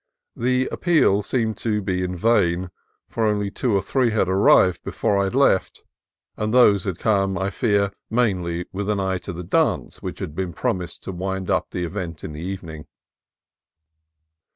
The appeal seemed to be in vain, for only two or three had arrived before I left, and those had come, I fear, mainly with an eye A NEW PINE 263 to the dance which had been promised to wind up the event in the evening.